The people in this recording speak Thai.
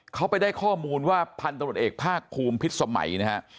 เขาไปได้ข้อมูลว่าพันตรวจเอกภาคภูมิพิษสมัยนะฮะ